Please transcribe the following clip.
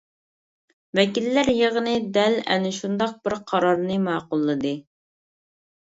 ۋەكىللەر يىغىنى دەل ئەنە شۇنداق بىر قارارنى ماقۇللىدى.